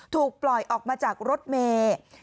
ถูกปล่อยออกมาจากรถเมย์